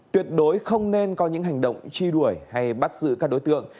tuyệt đối không nên có những hành động truy đuổi hay bắt giữ các đối tượng